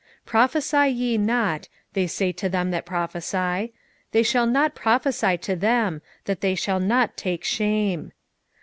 2:6 Prophesy ye not, say they to them that prophesy: they shall not prophesy to them, that they shall not take shame.